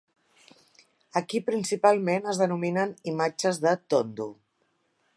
Aquí principalment es denominen imatges de tondo.